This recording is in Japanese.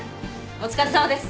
お疲れさまです。